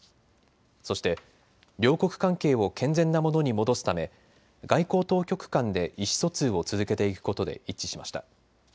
そして、両国関係を健全なものに戻すため外交当局間で意思疎通を続けていくことで一致しました。